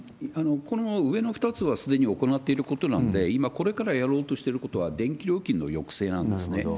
この上の２つはすでに行っていることなので、今、これからやろうとしてることは、電気料金の抑制なんですね。